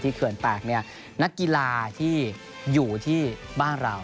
ที่เขื่อนแปลกเนี่ยนักกีฬาที่อยู่ที่บ้านเรา